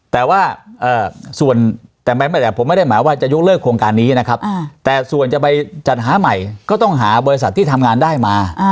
แต่ว่าส่วนแต่ผมไม่ได้หมายว่าจะยกเลิกโครงการนี้นะครับแต่ส่วนจะไปจัดหาใหม่ก็ต้องหาบริษัทที่ทำงานได้มา